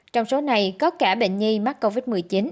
trong số này có cả bệnh nhi mắc covid một mươi chín